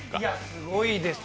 すごいですよ。